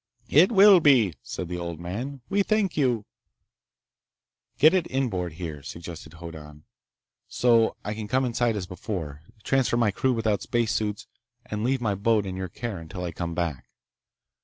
"It will be," said the old man. "We thank you—" "Get it inboard, here," suggested Hoddan, "so I can come inside as before, transfer my crew without spacesuits, and leave my boat in your care until I come back."